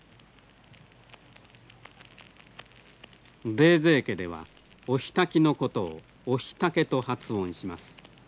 冷泉家ではお火たきのことをお火たけと発音します。